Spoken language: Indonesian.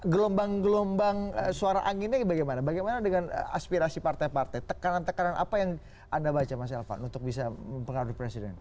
gelombang gelombang suara anginnya bagaimana dengan aspirasi partai partai tekanan tekanan apa yang anda baca mas elvan untuk bisa mempengaruhi presiden